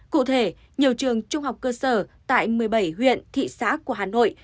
cụ thể nhiều trường trung học cơ sở tại một mươi bảy huyện thị xã của hà nội